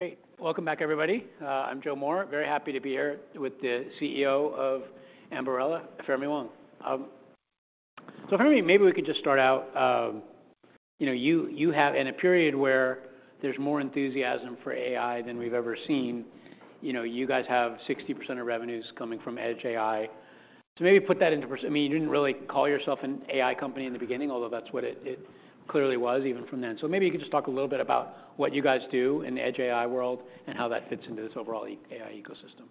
Great. Welcome back, everybody. I'm Joe Moore. Very happy to be here with the CEO of Ambarella, Fermi Wang. So Fermi Wang, maybe we could just start out, you know, you have in a period where there's more enthusiasm for AI than we've ever seen. You guys have 60% of revenues coming from Edge AI. So maybe put that into perspective. I mean, you didn't really call yourself an AI company in the beginning, although that's what it clearly was, even from then. So maybe you could just talk a little bit about what you guys do in the Edge AI world and how that fits into this overall AI ecosystem.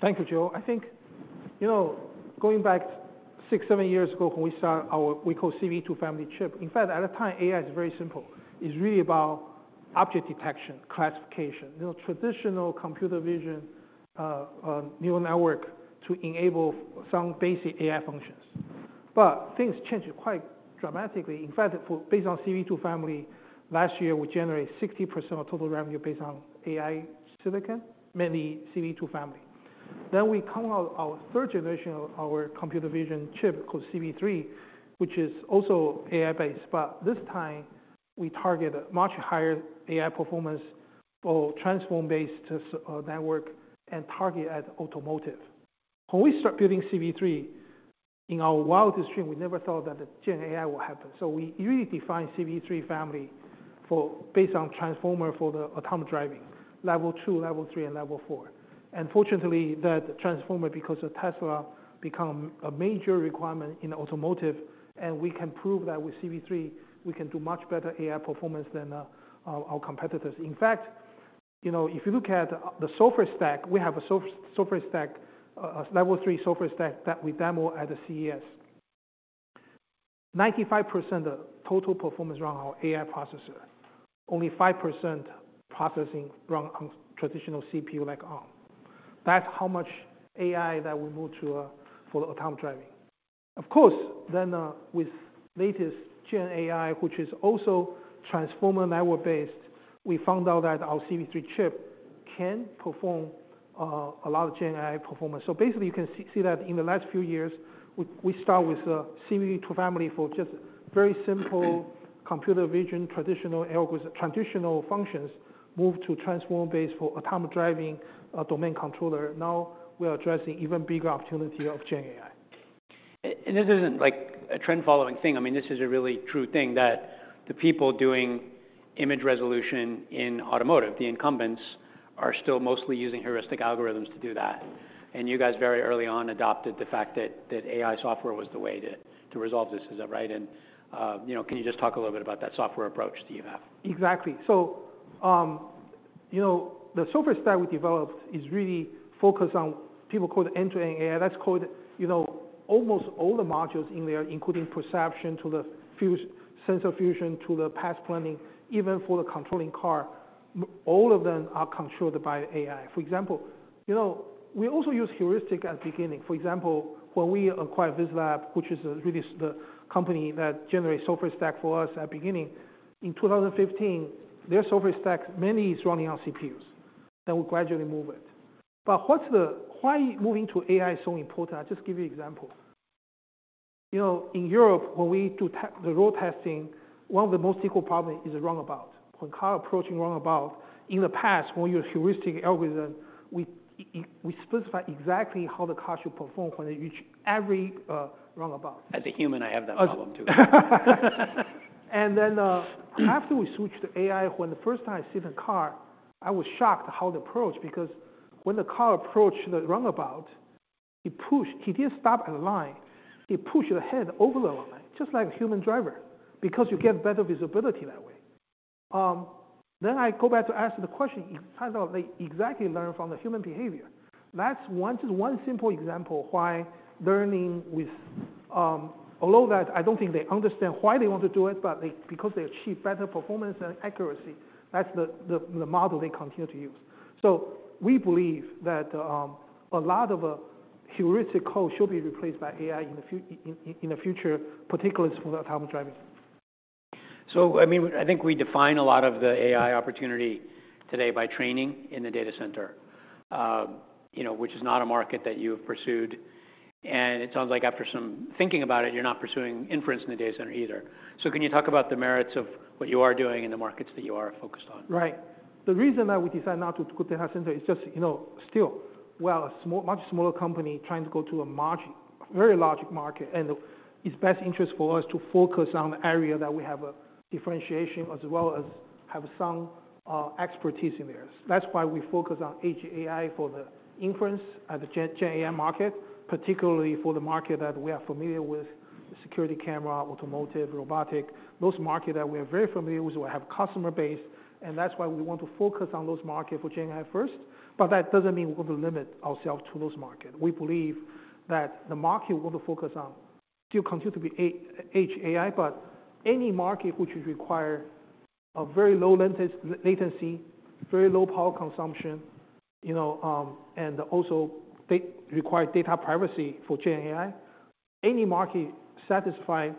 Thank you, Joe Moore. I think, you know, going back six, seven years ago when we started our we call CV2 Family chip. In fact, at that time, AI is very simple. It's really about object detection, classification, you know, traditional computer vision, neural network to enable some basic AI functions. But things changed quite dramatically. In fact, based on CV2 Family, last year we generated 60% of total revenue based on AI silicon, mainly CV2 Family. Then we come out our third generation of our computer vision chip called CV3, which is also AI-based. But this time we target a much higher AI performance for transformer-based network and target at automotive. When we start building CV3 in our wildest dreams, we never thought that the GenAI would happen. So we really defined CV3 Family based on transformer for the autonomous driving, Level 2, Level 3 and Level 4. Fortunately, that transformer, because of Tesla, became a major requirement in automotive. And we can prove that with CV3 we can do much better AI performance than our competitors. In fact, you know, if you look at the software stack, we have a software stack, a Level 3 software stack that we demo at the CES. 95% of total performance run on our AI processor, only 5% processing run on traditional CPU like ARM. That's how much AI that we move to for the autonomous driving. Of course, then with latest GenAI, which is also transformer network-based, we found out that our CV3 chip can perform a lot of GenAI performance. So basically you can see that in the last few years we start with the CV2 family for just very simple computer vision traditional functions, move to transformer-based for autonomous driving domain controller. Now we are addressing even bigger opportunity of GenAI. This isn't, like, a trend-following thing. I mean, this is a really true thing that the people doing image resolution in automotive, the incumbents, are still mostly using heuristic algorithms to do that. You guys very early on adopted the fact that AI software was the way to resolve this. Is that right? You know, can you just talk a little bit about that software approach that you have? Exactly. So, you know, the software stack we developed is really focused on people call it end-to-end AI. That's called, you know, almost all the modules in there, including perception to the sensor fusion to the path planning, even for the controlling car, all of them are controlled by AI. For example, you know, we also use heuristic at the beginning. For example, when we acquired VisLab, which is really the company that generates software stacks for us at the beginning, in 2015, their software stacks mainly is running on CPUs. Then we gradually move it. But what's the why moving to AI is so important? I'll just give you an example. You know, in Europe, when we do the road testing, one of the most equal problems is a roundabout. When cars approach a roundabout, in the past, when we used heuristic algorithms, we specified exactly how the car should perform when it reached every roundabout. As a human, I have that problem too. Then after we switched to AI, when the first time I saw the car, I was shocked how they approached. Because when the car approached the roundabout, it pushed. He didn't stop at the line. It pushed ahead over the line, just like a human driver, because you get better visibility that way. Then I go back to ask the question. It turns out they exactly learn from the human behavior. That's one just one simple example why learning with although that, I don't think they understand why they want to do it, but because they achieve better performance and accuracy, that's the model they continue to use. So we believe that a lot of heuristic code should be replaced by AI in the future, particularly for the autonomous driving. So, I mean, I think we define a lot of the AI opportunity today by training in the data center, you know, which is not a market that you have pursued. And it sounds like after some thinking about it, you're not pursuing inference in the data center either. So can you talk about the merits of what you are doing in the markets that you are focused on? Right. The reason that we decide not to go to the data center is just, you know, still, we are a much smaller company trying to go to a very large market. It's best interest for us to focus on the area that we have a differentiation as well as have some expertise in there. That's why we focus on Edge AI for the inference at the GenAI market, particularly for the market that we are familiar with: security camera, automotive, robotic. Those markets that we are very familiar with will have customer base. That's why we want to focus on those markets for GenAI first. But that doesn't mean we're going to limit ourselves to those markets. We believe that the market we're going to focus on still continues to be Edge AI. Any market which requires a very low latency, very low power consumption, you know, and also requires data privacy for GenAI, any market satisfying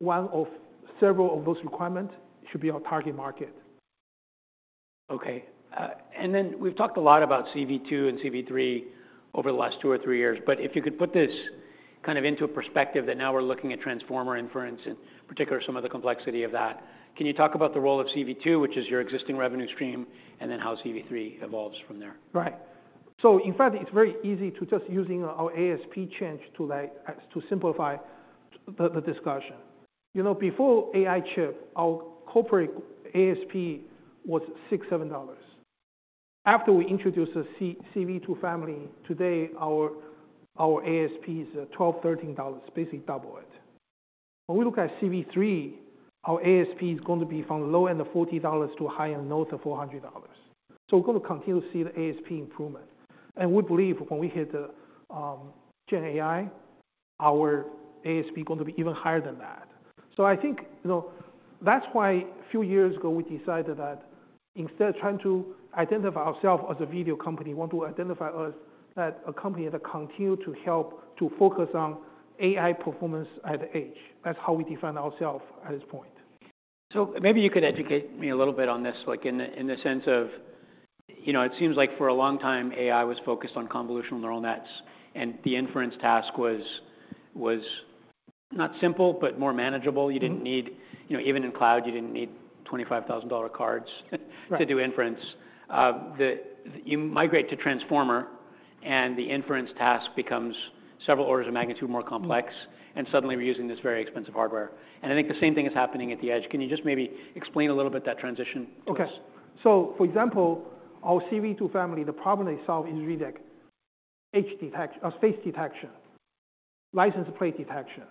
one of several of those requirements should be our target market. okay. Then we've talked a lot about CV2 and CV3 over the last two years or three years. If you could put this kind of into a perspective that now we're looking at transformer inference and particularly some of the complexity of that, can you talk about the role of CV2, which is your existing revenue stream, and then how CV3 evolves from there? Right. So in fact, it's very easy to just using our ASP change to simplify the discussion. You know, before AI chip, our corporate ASP was $6-$7. After we introduced the CV2 Family, today our ASP is $12-$13, basically double it. When we look at CV3, our ASP is going to be from low-end of $40 to high-end north of $400. So we're going to continue to see the ASP improvement. And we believe when we hit GenAI, our ASP is going to be even higher than that. So I think, you know, that's why a few years ago we decided that instead of trying to identify ourselves as a video company, we want to identify us as a company that continues to help to focus on AI performance at the Edge. That's how we define ourselves at this point. So maybe you could educate me a little bit on this, like, in the sense of, you know, it seems like for a long time AI was focused on convolutional neural nets. And the inference task was not simple, but more manageable. You didn't need, you know, even in cloud you didn't need $25,000 cards to do inference. You migrate to Transformer, and the inference task becomes several orders of magnitude more complex. And suddenly we're using this very expensive hardware. And I think the same thing is happening at the Edge. Can you just maybe explain a little bit that transition for us? okay. So for example, our CV2 family, the problem they solve is reading Edge detection, space detection, license plate detection.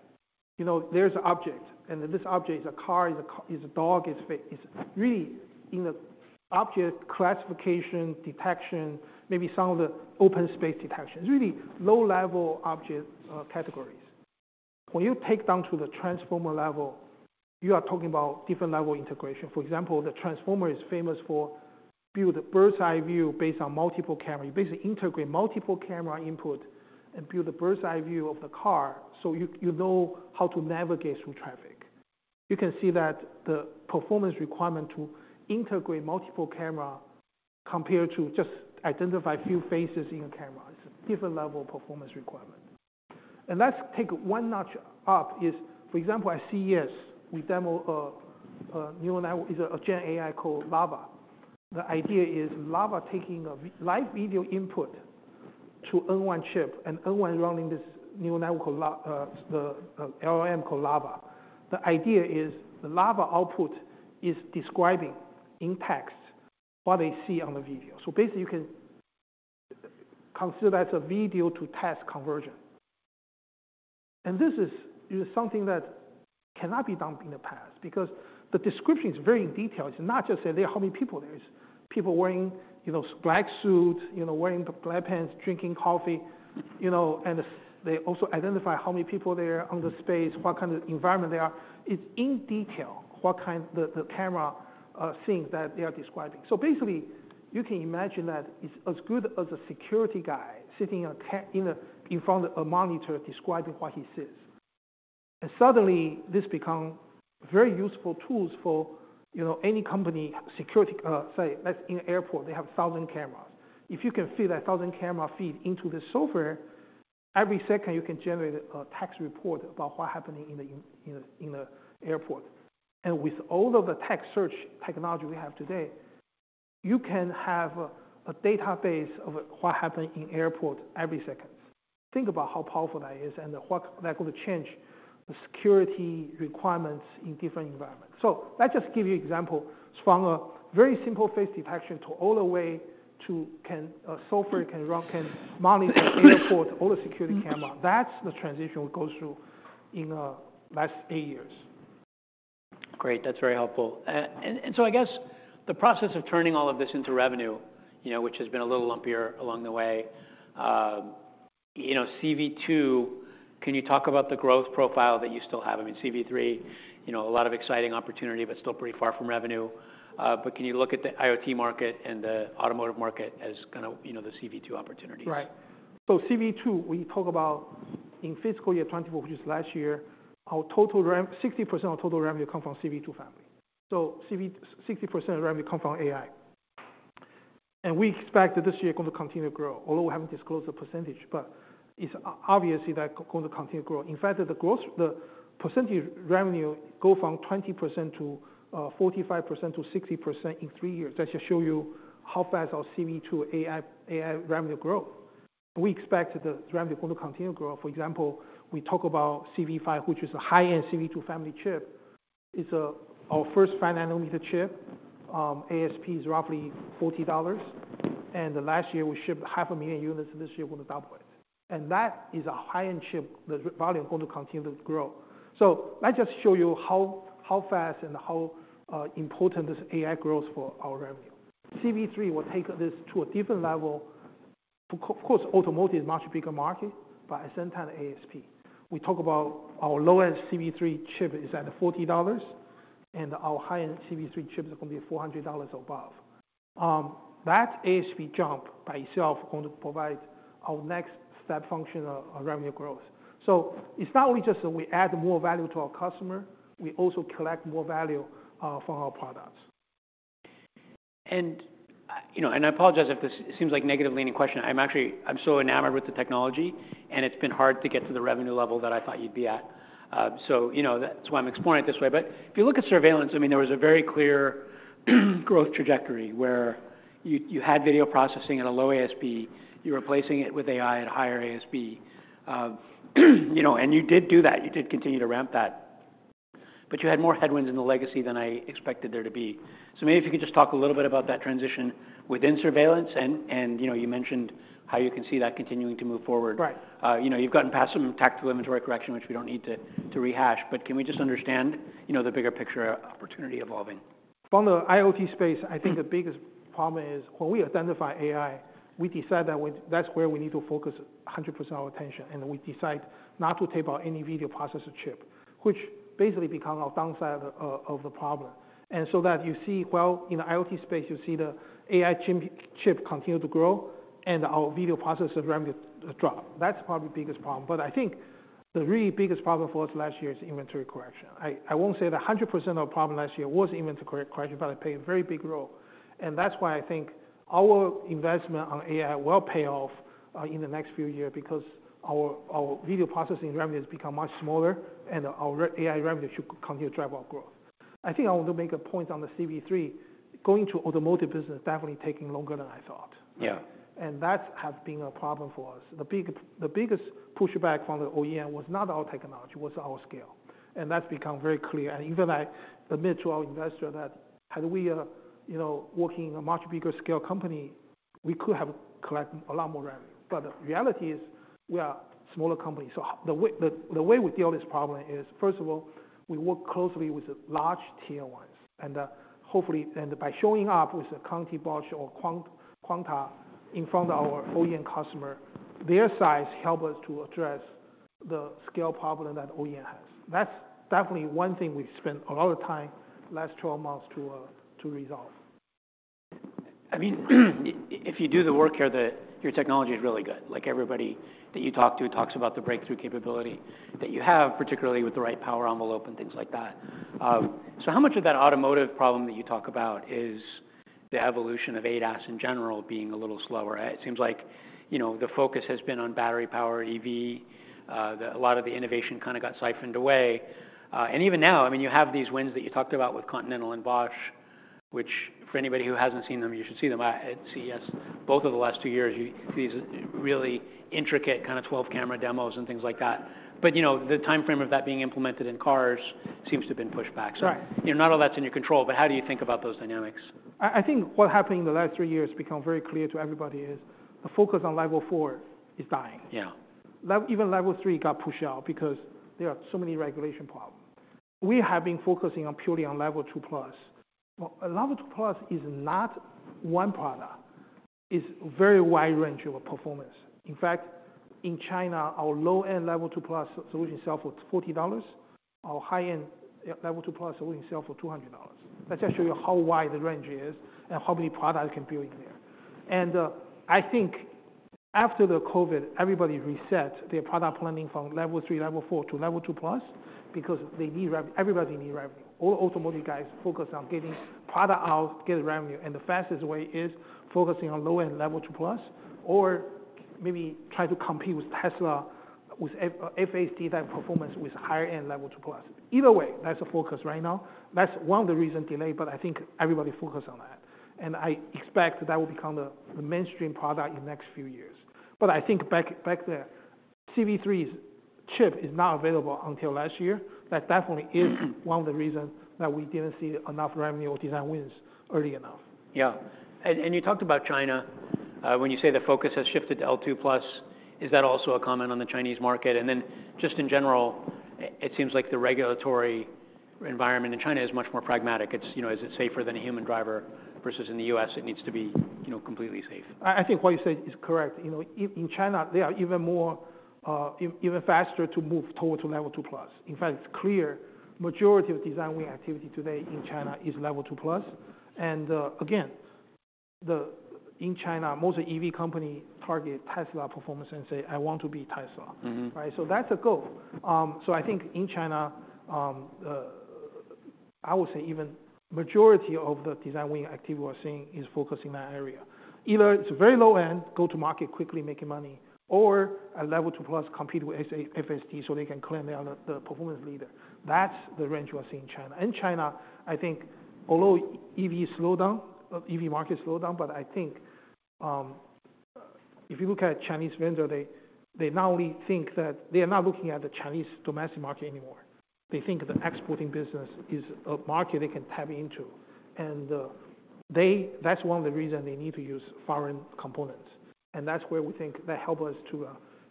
You know, there's an object. And this object is a car, is a dog, is really in the object classification, detection, maybe some of the open space detection. It's really low-level object categories. When you take down to the Transformer level, you are talking about different level integration. For example, the Transformer is famous for building Bird's-Eye View based on multiple cameras. You basically integrate multiple camera inputs and build a Bird's-Eye View of the car so you know how to navigate through traffic. You can see that the performance requirement to integrate multiple cameras compared to just identify a few faces in a camera. It's a different level of performance requirement. And let's take one notch up. For example, at CES we demo a neural network, it's a GenAI called LLaVA. The idea is LLaVA taking a live video input to N1 chip and N1 running this neural network, the LLM called LLaVA. The idea is the LLaVA output is describing in text what they see on the video. So basically you can consider that as a video-to-text conversion. And this is something that cannot be done in the past. Because the description is very in detail. It's not just say there are how many people there. It's people wearing, you know, black suits, you know, wearing black pants, drinking coffee, you know, and they also identify how many people there are on the space, what kind of environment they are. It's in detail what kind the camera things that they are describing. So basically you can imagine that it's as good as a security guy sitting in front of a monitor describing what he sees. And suddenly this becomes very useful tools for, you know, any company security say, let's say in an airport they have 1,000 cameras. If you can feed that 1,000 camera feed into the software, every second you can generate a text report about what's happening in the airport. And with all of the text search technology we have today, you can have a database of what happened in the airport every second. Think about how powerful that is and what that's going to change the security requirements in different environments. So let's just give you an example. From a very simple face detection to all the way to software can run can monitor the airport, all the security cameras. That's the transition we go through in the last eight years. Great. That's very helpful. And so I guess the process of turning all of this into revenue, you know, which has been a little lumpier along the way, you know, CV2, can you talk about the growth profile that you still have? I mean, CV3, you know, a lot of exciting opportunity, but still pretty far from revenue. But can you look at the IoT market and the automotive market as kind of, you know, the CV2 opportunities? Right. So CV2, we talk about in fiscal year 2024, which is last year, our total revenue 60% of total revenue comes from the CV2 family. So 60% of revenue comes from AI. And we expect that this year is going to continue to grow, although we haven't disclosed the percentage. But it's obvious that it's going to continue to grow. In fact, the growth the percentage revenue goes from 20% to 45% to 60% in three years. That just shows you how fast our CV2 AI revenue grows. We expect the revenue is going to continue to grow. For example, we talk about CV5, which is a high-end CV2 family chip. It's our first 5 nm chip. ASP is roughly $40. And last year we shipped 500,000 units. This year we're going to double it. And that is a high-end chip. The volume is going to continue to grow. So let's just show you how fast and how important this AI grows for our revenue. CV3 will take this to a different level. Of course, automotive is a much bigger market, but at the same time ASP. We talk about our low-end CV3 chip is at $40. Our high-end CV3 chips are going to be $400 or above. That ASP jump by itself is going to provide our next step function of revenue growth. So it's not only just that we add more value to our customers. We also collect more value from our products. And, you know, and I apologize if this seems like a negative-leaning question. I'm actually I'm so enamored with the technology, and it's been hard to get to the revenue level that I thought you'd be at. So, you know, that's why I'm exploring it this way. But if you look at surveillance, I mean, there was a very clear growth trajectory where you had video processing at a low ASP. You were replacing it with AI at a higher ASP. You know, and you did do that. You did continue to ramp that. But you had more headwinds in the legacy than I expected there to be. So maybe if you could just talk a little bit about that transition within surveillance. And, you know, you mentioned how you can see that continuing to move forward. Right. You know, you've gotten past some tactical inventory correction, which we don't need to rehash. But can we just understand, you know, the bigger picture opportunity evolving? From the IoT space, I think the biggest problem is when we identify AI, we decide that that's where we need to focus 100% of our attention. And we decide not to take out any video processor chip, which basically becomes our downside of the problem. And so that you see, well, in the IoT space you see the AI chip continue to grow, and our video processor revenue drop. That's probably the biggest problem. But I think the really biggest problem for us last year is inventory correction. I won't say that 100% of the problem last year was inventory correction, but it played a very big role. And that's why I think our investment on AI will pay off in the next few years. Because our video processing revenue has become much smaller, and our AI revenue should continue to drive our growth. I think I want to make a point on the CV3. Going to the automotive business is definitely taking longer than I thought. Yeah. That's been a problem for us. The biggest pushback from the OEM was not our technology. It was our scale. That's become very clear. Even I admit to our investors that had we, you know, worked in a much bigger-scale company, we could have collected a lot more revenue. But the reality is we are a smaller company. So the way we deal with this problem is, first of all, we work closely with large tier ones. And hopefully by showing up with a Continental, Bosch or Quanta in front of our OEM customers, their size helps us to address the scale problem that OEM has. That's definitely one thing we spent a lot of time the last 12 months to resolve. I mean, if you do the work here, your technology is really good. Like, everybody that you talk to talks about the breakthrough capability that you have, particularly with the right power envelope and things like that. So how much of that automotive problem that you talk about is the evolution of semis in general being a little slower? It seems like, you know, the focus has been on battery-powered EV. A lot of the innovation kind of got siphoned away. And even now, I mean, you have these wins that you talked about with Continental and Bosch, which for anybody who hasn't seen them, you should see them at CES. Both of the last two years you see these really intricate kind of 12-camera demos and things like that. But, you know, the time frame of that being implemented in cars seems to have been pushed back. So, you know, not all that's in your control. But how do you think about those dynamics? I think what's happening in the last three years has become very clear to everybody is the focus on Level 4 is dying. Yeah. Even Level 3 got pushed out because there are so many regulation problems. We have been focusing purely on L2+. L2+ is not one product. It's a very wide range of performance. In fact, in China, our low-end L2+ solution sells for $40. Our high-end L2+ solution sells for $200. Let's just show you how wide the range is and how many products you can build in there. And I think after COVID everybody reset their product planning from Level 3, Level 4 to L2+ because they need everybody needs revenue. All automotive guys focus on getting products out, getting revenue. And the fastest way is focusing on low-end L2+, or maybe try to compete with Tesla with FSD-type performance with higher-end L2+. Either way, that's the focus right now. That's one of the reasons for delay. But I think everybody focused on that. And I expect that will become the mainstream product in the next few years. But I think back there, CV3's chip is not available until last year. That definitely is one of the reasons that we didn't see enough revenue or design wins early enough. Yeah. You talked about China. When you say the focus has shifted to L2+, is that also a comment on the Chinese market? And then just in general, it seems like the regulatory environment in China is much more pragmatic. It's, you know, is it safer than a human driver versus in the U.S. it needs to be, you know, completely safe? I think what you said is correct. You know, in China they are even more even faster to move toward L2+. In fact, it's clear the majority of design win activity today in China is L2+. Again, in China most EV companies target Tesla performance and say, I want to be Tesla. Right? That's a goal. I think in China I would say even the majority of the design win activity we are seeing is focused in that area. Either it's very low-end, go to market quickly, making money, or at L2+ compete with FSD so they can claim they are the performance leader. That's the range we are seeing in China. In China, I think, although EV slowdown, EV market slowdown, but I think if you look at Chinese vendors, they not only think that they are not looking at the Chinese domestic market anymore. They think the exporting business is a market they can tap into. And they that's one of the reasons they need to use foreign components. And that's where we think that helps us to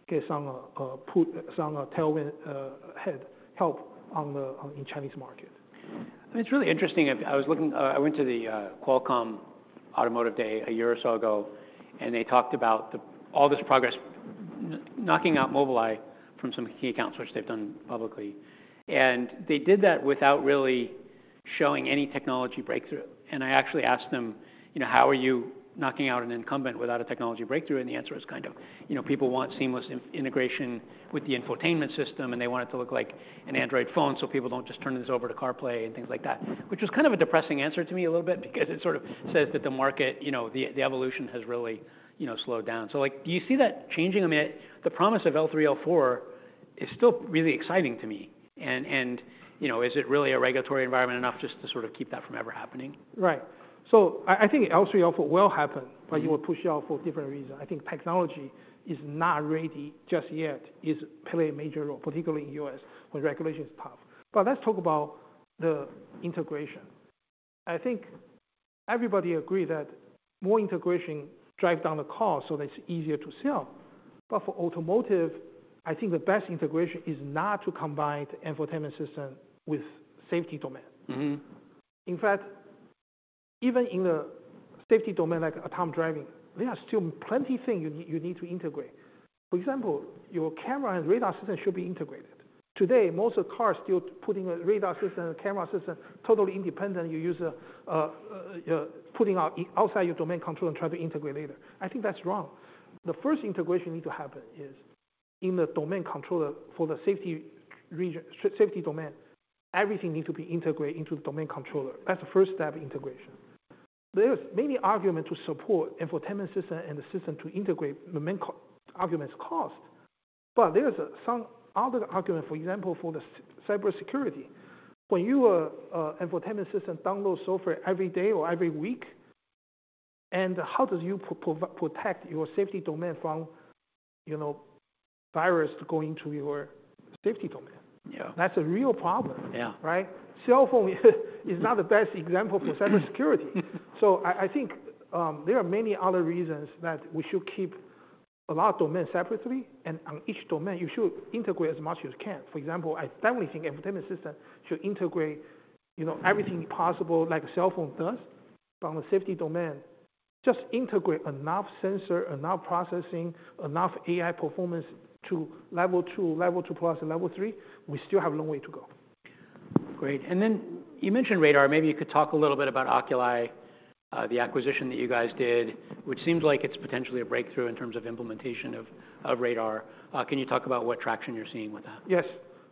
get some tailwind ahead help in the Chinese market. It's really interesting. I was looking, I went to the Qualcomm Automotive Day a year or so ago, and they talked about all this progress knocking out Mobileye from some key accounts, which they've done publicly. And they did that without really showing any technology breakthrough. And I actually asked them, you know, how are you knocking out an incumbent without a technology breakthrough? And the answer was kind of, you know, people want seamless integration with the infotainment system, and they want it to look like an Android phone so people don't just turn this over to CarPlay and things like that. Which was kind of a depressing answer to me a little bit because it sort of says that the market, you know, the evolution has really, you know, slowed down. So, like, do you see that changing? I mean, the promise of L3, L4 is still really exciting to me. You know, is it really a regulatory environment enough just to sort of keep that from ever happening? Right. So I think L3, L4 will happen, but it will push out for different reasons. I think technology is not ready just yet. It's playing a major role, particularly in the U.S. when regulation is tough. But let's talk about the integration. I think everybody agrees that more integration drives down the cost so that it's easier to sell. But for automotive, I think the best integration is not to combine the infotainment system with the safety domain. In fact, even in the safety domain, like autonomous driving, there are still plenty of things you need to integrate. For example, your camera and radar system should be integrated. Today most cars are still putting a radar system and camera system totally independent. You use putting outside your domain controller and try to integrate later. I think that's wrong. The first integration needs to happen is in the domain controller for the safety region safety domain. Everything needs to be integrated into the domain controller. That's the first step of integration. There's many arguments to support the infotainment system and the system to integrate. The main argument is cost. But there are some other arguments. For example, for cybersecurity. When your infotainment system downloads software every day or every week, how do you protect your safety domain from, you know, viruses going into your safety domain? Yeah. That's a real problem. Yeah. Right? Cell phone is not the best example for cybersecurity. So I think there are many other reasons that we should keep a lot of domains separately. And on each domain you should integrate as much as you can. For example, I definitely think the infotainment system should integrate, you know, everything possible like a cell phone does. But on the safety domain, just integrate enough sensors, enough processing, enough AI performance to Level 2, L2+, Level 3. We still have a long way to go. Great. And then you mentioned radar. Maybe you could talk a little bit about Oculii, the acquisition that you guys did, which seems like it's potentially a breakthrough in terms of implementation of radar. Can you talk about what traction you're seeing with that? Yes.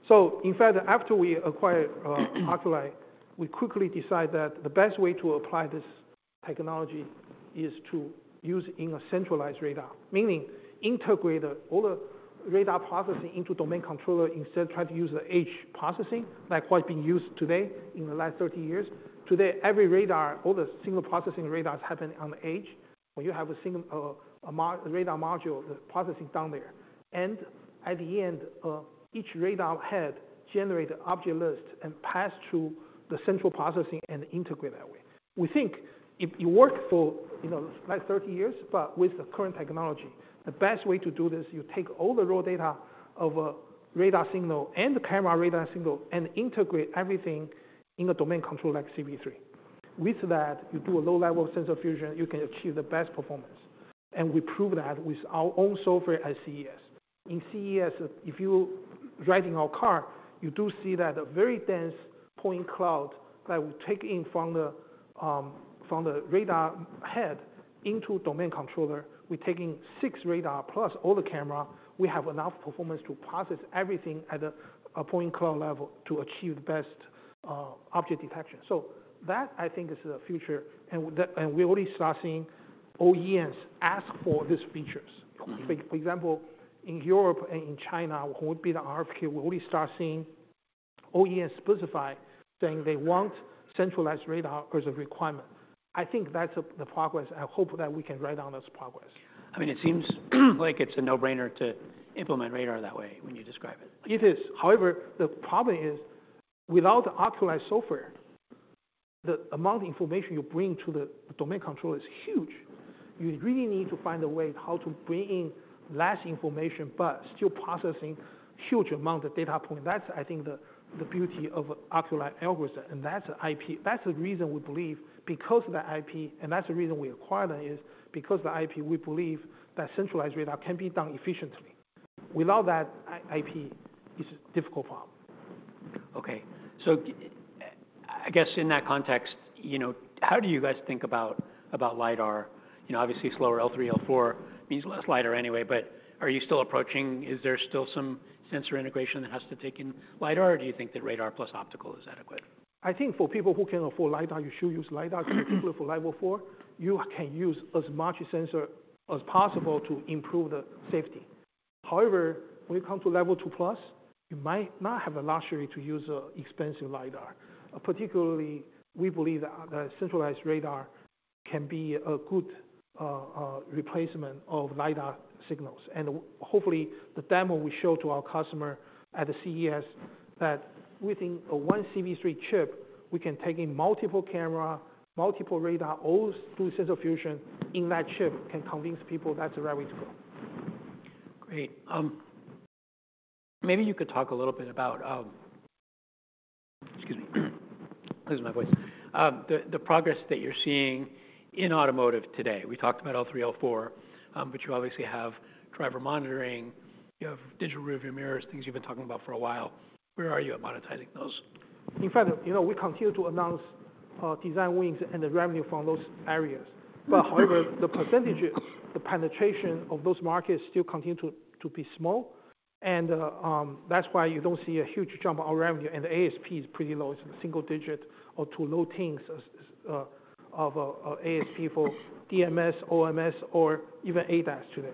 So in fact, after we acquired Oculii, we quickly decided that the best way to apply this technology is to use it in a centralized radar. Meaning, integrate all the radar processing into the domain controller instead of trying to use the Edge processing like what's being used today in the last 30 years. Today every radar all the single processing radars happen on the Edge. When you have a radar module, the processing is done there. And at the end, each radar head generates an object list and passes through the central processing and integrates that way. We think it works for, you know, the last 30 years. But with the current technology, the best way to do this is you take all the raw data of a radar signal and the camera radar signal and integrate everything in a domain controller like CV3. With that, you do a low-level sensor fusion. You can achieve the best performance. And we proved that with our own software at CES. In CES, if you ride in our car, you do see that a very dense point cloud that we take in from the radar head into the domain controller. We're taking six radars plus all the cameras. We have enough performance to process everything at a point cloud level to achieve the best object detection. So that, I think, is the future. And we already start seeing OEMs ask for these features. For example, in Europe and in China, when we build RFQ, we already start seeing OEMs specify saying they want centralized radar as a requirement. I think that's the progress. I hope that we can write down this progress. I mean, it seems like it's a no-brainer to implement radar that way when you describe it. It is. However, the problem is, without the Oculii software, the amount of information you bring to the domain controller is huge. You really need to find a way how to bring in less information but still process a huge amount of data points. That's, I think, the beauty of the Oculii algorithm. And that's the IP that's the reason we believe because of the IP and that's the reason we acquired it is because of the IP we believe that centralized radar can be done efficiently. Without that IP it's a difficult problem. okay. So I guess in that context, you know, how do you guys think about LiDAR? You know, obviously slower L3, L4 means less LiDAR anyway. But are you still approaching? Is there still some sensor integration that has to take in LiDAR, or do you think that radar plus optical is adequate? I think for people who can afford LiDAR, you should use LiDAR. Particularly for Level 4, you can use as much sensors as possible to improve the safety. However, when you come to L2+, you might not have the luxury to use expensive LiDAR. Particularly, we believe that centralized radar can be a good replacement for LiDAR signals. And hopefully the demo we showed to our customers at CES that within one CV3 chip we can take in multiple cameras, multiple radars, all through sensor fusion in that chip can convince people that's the right way to go. Great. Maybe you could talk a little bit about the progress that you're seeing in automotive today. We talked about L3, L4. But you obviously have driver monitoring. You have digital rearview mirrors, things you've been talking about for a while. Where are you at monetizing those? In fact, you know, we continue to announce design wins and the revenue from those areas. But however, the percentage penetration of those markets still continues to be small. And that's why you don't see a huge jump in our revenue. And the ASP is pretty low. It's a single-digit or two low-teens of ASP for DMS, OMS, or even ADAS today.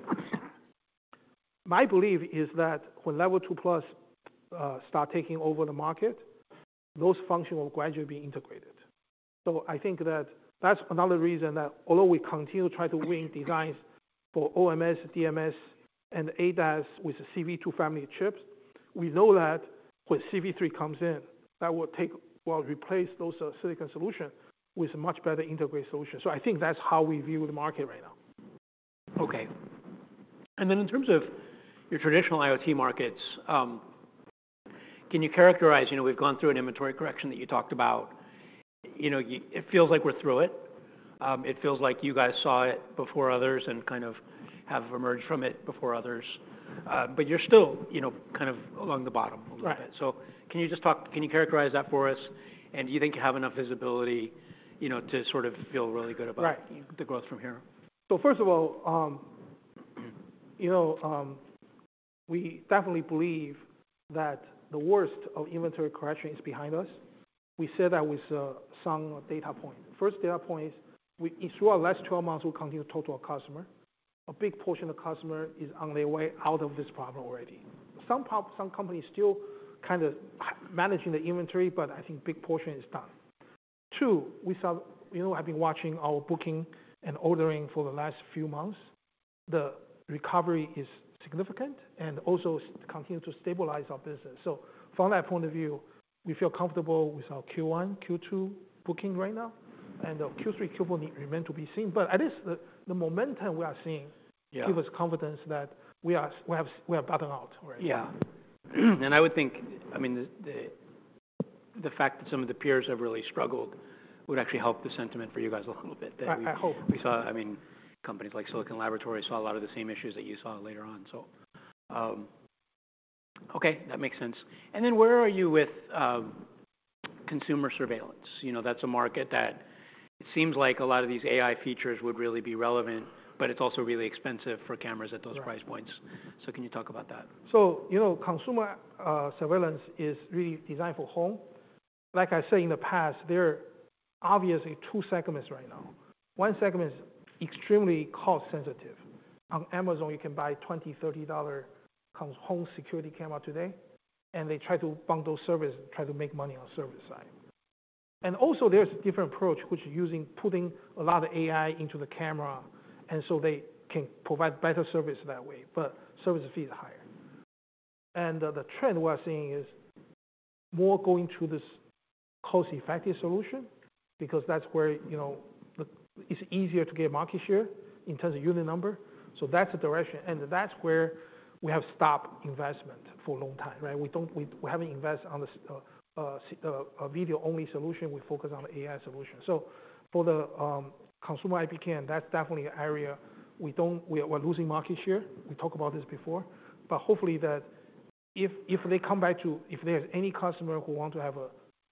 My belief is that when L2+ starts taking over the market, those functions will gradually be integrated. So I think that's another reason that although we continue to try to win designs for OMS, DMS, and ADAS with CV2 family chips, we know that when CV3 comes in, that will replace those silicon solutions with a much better integrated solution. So I think that's how we view the market right now. okay. And then in terms of your traditional IoT markets, can you characterize, you know, we've gone through an inventory correction that you talked about? You know, it feels like we're through it. It feels like you guys saw it before others and kind of have emerged from it before others. But you're still, you know, kind of along the bottom a little bit. Right. So, can you characterize that for us? And do you think you have enough visibility, you know, to sort of feel really good about the growth from here? Right. So first of all, you know, we definitely believe that the worst of inventory correction is behind us. We said that with some data points. First, data points throughout the last 12 months we continued to talk to our customers. A big portion of the customers is on their way out of this problem already. Some companies are still kind of managing the inventory, but I think a big portion is done. Two, we saw, you know, I've been watching our booking and ordering for the last few months. The recovery is significant and also continues to stabilize our business. So from that point of view, we feel comfortable with our Q1, Q2 booking right now. And Q3, Q4 need to remain to be seen. But at least the momentum we are seeing gives us confidence that we have bottomed out already. Yeah. I would think I mean, the fact that some of the peers have really struggled would actually help the sentiment for you guys a little bit. I hope. We saw, I mean, companies like Silicon Laboratories saw a lot of the same issues that you saw later on. So okay, that makes sense. And then where are you with consumer surveillance? You know, that's a market that it seems like a lot of these AI features would really be relevant, but it's also really expensive for cameras at those price points. So can you talk about that? So, you know, consumer surveillance is really designed for home. Like I said in the past, there are obviously two segments right now. One segment is extremely cost-sensitive. On Amazon, you can buy a $20-$30 home security camera today. And they try to bundle services and try to make money on the service side. And also there's a different approach, which is using putting a lot of AI into the camera. And so they can provide better service that way. But service fees are higher. And the trend we are seeing is more going to this cost-effective solution because that's where, you know, it's easier to get market share in terms of unit number. So that's the direction. And that's where we have stopped investment for a long time, right? We haven't invested in a video-only solution. We focus on the AI solution. So for the consumer IP cam, that's definitely an area we are losing market share. We talked about this before. But hopefully that if they come back to if there's any customer who wants to have a,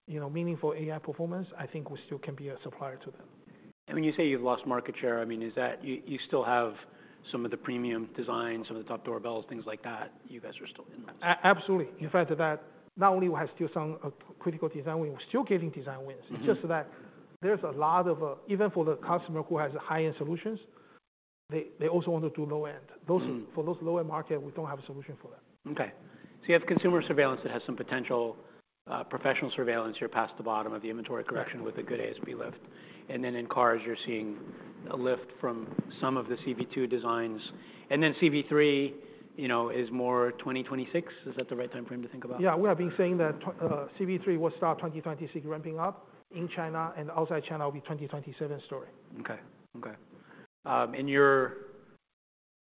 you know, meaningful AI performance, I think we still can be a supplier to them. When you say you've lost market share, I mean, is that you still have some of the premium designs, some of the top doorbells, things like that? You guys are still in that. Absolutely. In fact, not only do we have still some critical design wins, we're still getting design wins. It's just that there's a lot, even for the customer who has high-end solutions, they also want to do low-end. For those low-end markets, we don't have a solution for that. okay. So you have consumer surveillance that has some potential professional surveillance here past the bottom of the inventory correction with a good ASP lift. And then in cars, you're seeing a lift from some of the CV2 designs. And then CV3, you know, is more 2026. Is that the right time frame to think about? Yeah. We have been saying that CV3 will start 2026 ramping-up in China. Outside China will be a 2027 story. okay. And your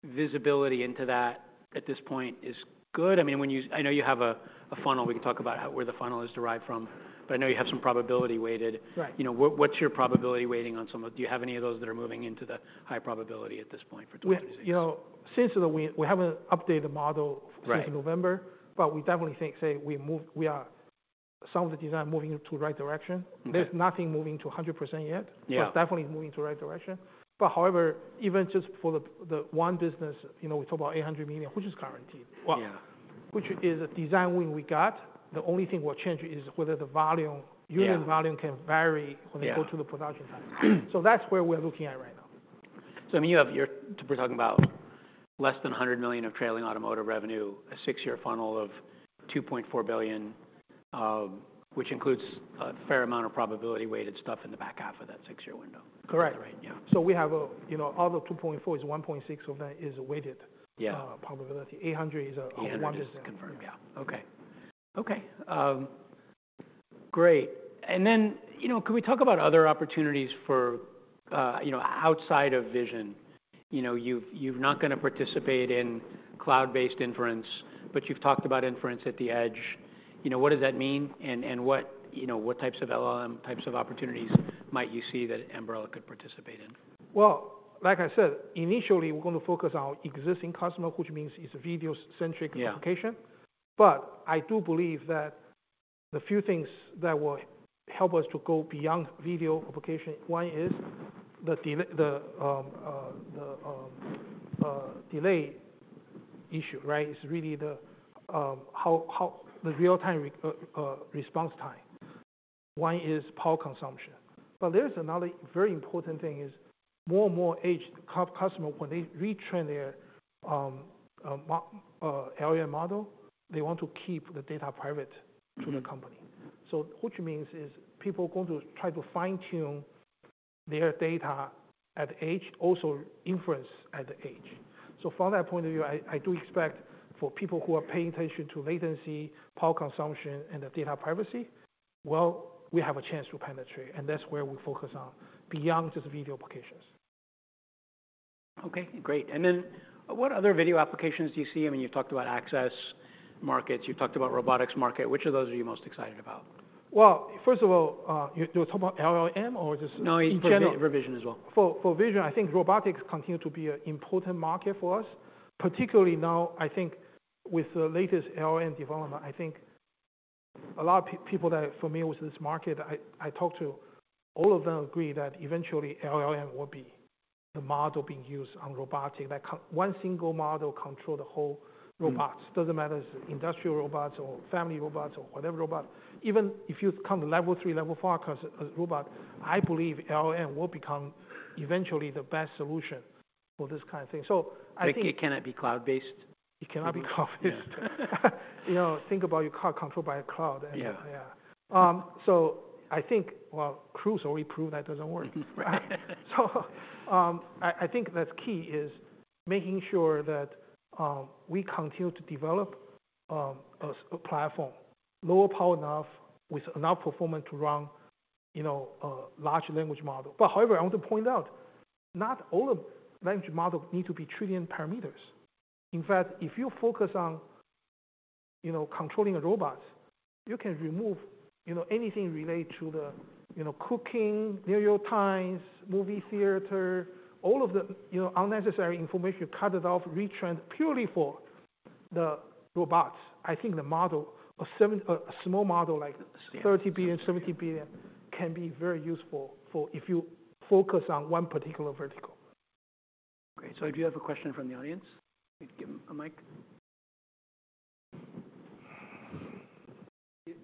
visibility into that at this point is good? I mean, when you I know you have a funnel. We can talk about where the funnel is derived from. But I know you have some probability weighted. Right. You know, what's your probability weighting on some of, do you have any of those that are moving into the high probability at this point for 2026? Well, you know, since the design win we haven't updated the model since November. But we definitely think, say, we moved. We are some of the design moving into the right direction. There's nothing moving to 100% yet. Yeah. But definitely moving in the right direction. But however, even just for the one business, you know, we talk about $800 million, which is guaranteed. Yeah. Which is a design win we got. The only thing we'll change is whether the volume unit volume can vary when they go to the production time. That's where we are looking at right now. So I mean, you have, you're talking about less than $100 million of trailing automotive revenue, a six year funnel of $2.4 billion, which includes a fair amount of probability-weighted stuff in the back half of that six year window. Correct. Right. Yeah. So we have a, you know, out of $2.4 billion, $1.6 billion of that is a weighted probability. Yeah. $800 million is a one business. $800 million is confirmed. Yeah okay great. And then, you know, can we talk about other opportunities for, you know, outside of Vision? You know, you're not going to participate in cloud-based inference. But you've talked about inference at the Edge. You know, what does that mean? And what, you know, what types of LLM types of opportunities might you see that Ambarella could participate in? Well, like I said, initially we're going to focus on our existing customer, which means it's a video-centric application. But I do believe that the few things that will help us to go beyond video application one is the delay issue, right? It's really the real-time response time. One is power consumption. But there is another very important thing is more and more Edge customers, when they retrain their LLM model, they want to keep the data private to the company. So which means is people are going to try to fine-tune their data at the Edge, also inference at the Edge. So from that point of view, I do expect for people who are paying attention to latency, power consumption, and the data privacy, well, we have a chance to penetrate. And that's where we focus on beyond just video applications. okay. Great. And then what other video applications do you see? I mean, you've talked about access markets. You've talked about robotics market. Which of those are you most excited about? Well, first of all, do you talk about LLM or just in general? No, you put it for Vision as well. For Vision, I think robotics continues to be an important market for us. Particularly now, I think with the latest LLM development, I think a lot of people that are familiar with this market I talk to, all of them agree that eventually LLM will be the model being used on robotics that one single model controls the whole robots. It doesn't matter if it's industrial robots or family robots or whatever robot. Even if you come to Level 3, Level 4 robot, I believe LLM will become eventually the best solution for this kind of thing. So I think. I think it cannot be cloud-based. It cannot be cloud-based. You know, think about your car controlled by a cloud. Yeah. Yeah. So I think, well, Cruise already proved that doesn't work, right? So I think that's key is making sure that we continue to develop a platform lower power enough with enough performance to run, you know, a large language model. But however, I want to point out, not all the language models need to be trillion parameters. In fact, if you focus on, you know, controlling a robot, you can remove, you know, anything related to the, you know, cooking, New York Times, movie theater, all of the, you know, unnecessary information you cut it off, retrain purely for the robots. I think the model a small model like 30 billion, 70 billion can be very useful for if you focus on one particular vertical. Great. So do you have a question from the audience? Give them a mic.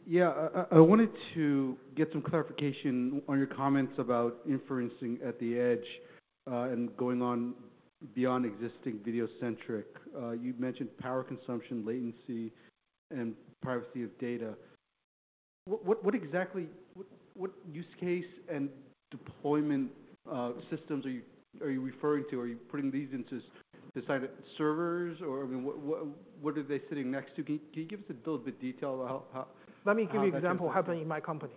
Yeah. I wanted to get some clarification on your comments about inferencing at the Edge and going on beyond existing video-centric. You mentioned power consumption, latency, and privacy of data. What exactly use case and deployment systems are you referring to? Are you putting these into this side of servers? Or I mean, what are they sitting next to? Can you give us a little bit of detail about how? Let me give you an example happening in my company.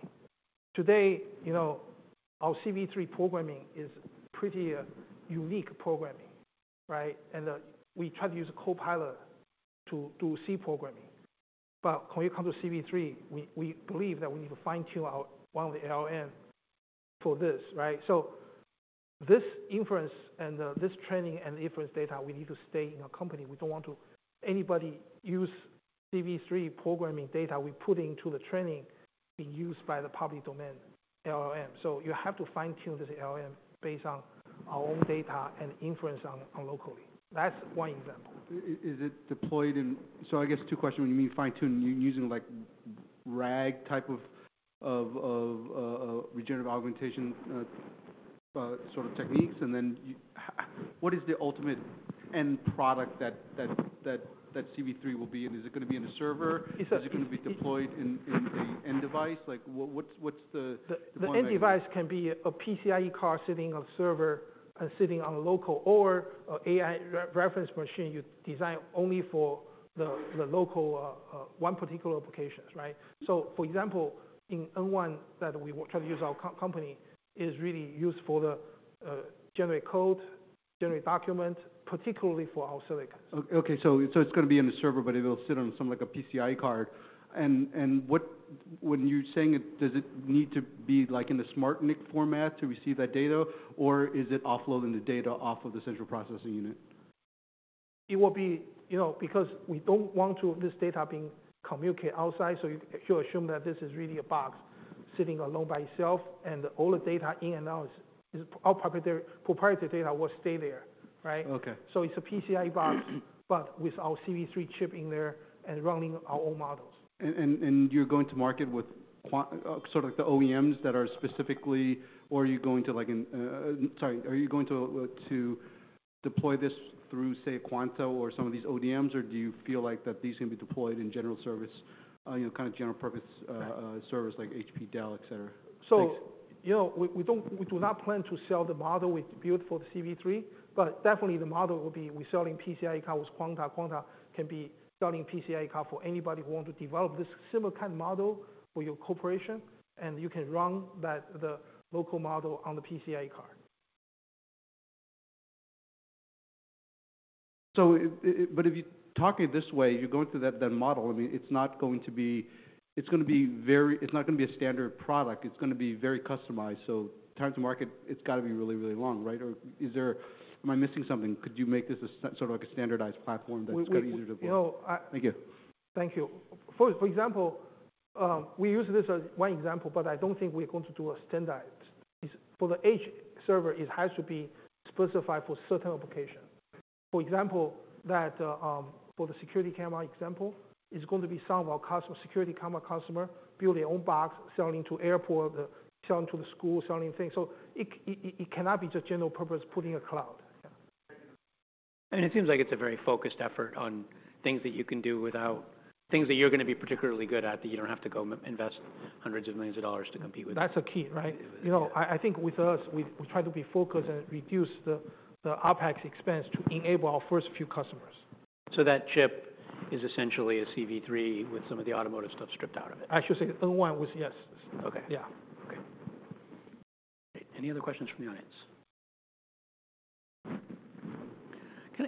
Today, you know, our CV3 programming is pretty unique programming, right? And we try to use Copilot to do C programming. But when you come to CV3, we believe that we need to fine-tune one of the LLMs for this, right? So this inference and this training and inference data, we need to stay in our company. We don't want anybody to use CV3 programming data we put into the training being used by the public domain LLM. So you have to fine-tune this LLM based on our own data and inference on locally. That's one example. Is it deployed in? So I guess two questions. When you mean fine-tune, you're using, like, RAG type of retrieval-augmented generation sort of techniques? And then what is the ultimate end product that CV3 will be in? Is it going to be in a server? Is it going to be deployed in an end device? Like, what's the point? The end device can be a PCIe card sitting on a server and sitting on a local or an AI reference machine you design only for the local one particular application, right? So for example, in N1 that we try to use our company is really used for the generate code, generate documents, particularly for our silicons. okay. So it's going to be in the server, but it will sit on some, like, a PCIe card. And when you're saying it, does it need to be, like, in a SmartNIC format to receive that data? Or is it offloading the data off of the central processing unit? It will be, you know, because we don't want this data being communicated outside. So you assume that this is really a box sitting alone by itself. And all the data in and out is our proprietary data will stay there, right? okay. It's a PCIe box, but with our CV3 chip in there and running our own models. You're going to market with sort of like the OEMs that are specifically, or are you going to, like in sorry, are you going to deploy this through, say, Quanta or some of these ODMs? Or do you feel like that these can be deployed in general service, you know, kind of general-purpose service like HP, Dell, et cetera? So, you know, we do not plan to sell the model we built for the CV3. But definitely the model will be we sell in PCIe card with Quanta. Quanta can be selling PCIe card for anybody who wants to develop this similar kind of model for your corporation. And you can run the local model on the PCIe card. If you're talking this way, you're going through that model. I mean, it's not going to be a standard product. It's going to be very customized. So, time to market, it's got to be really, really long, right? Or, am I missing something? Could you make this sort of like a standardized platform that's kind of easier to deploy? Well, you know. Thank you. Thank you. For example, we use this as one example. But I don't think we are going to do a standard. For the Edge server, it has to be specified for certain applications. For example, that for the security camera example, it's going to be some of our customer security camera customer build their own box, selling to airport, selling to the school, selling things. So it cannot be just general-purpose putting a cloud. Yeah. I mean, it seems like it's a very focused effort on things that you can do without things that you're going to be particularly good at that you don't have to go invest $hundreds of millions to compete with. That's the key, right? You know, I think with us, we try to be focused and reduce the OpEx expense to enable our first few customers. That chip is essentially a CV3 with some of the automotive stuff stripped out of it. I should say N1 was, yes. okay. Yeah. okay. Great. Any other questions from the audience?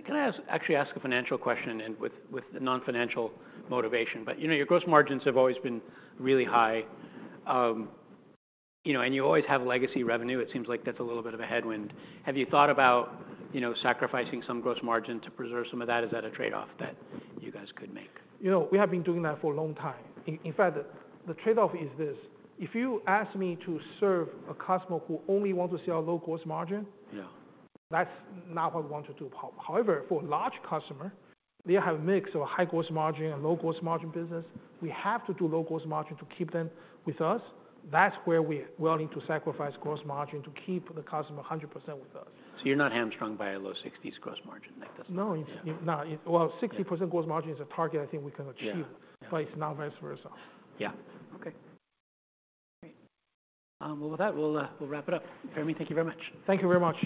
Can I actually ask a financial question and with a non-financial motivation? But, you know, your gross margins have always been really high. You know, and you always have legacy revenue. It seems like that's a little bit of a headwind. Have you thought about, you know, sacrificing some gross margin to preserve some of that? Is that a trade-off that you guys could make? You know, we have been doing that for a long time. In fact, the trade-off is this: if you ask me to serve a customer who only wants to see our low gross margin, that's not what we want to do. However, for a large customer, they have a mix of high gross margin and low gross margin business. We have to do low gross margin to keep them with us. That's where we're willing to sacrifice gross margin to keep the customer 100% with us. You're not hamstrung by a low-60s% gross margin like this? No. Well, 60% gross margin is a target I think we can achieve. But it's not vice versa. Yeah. okay. Great. Well, with that, we'll wrap it up. Fermi Wang, thank you very much. Thank you very much.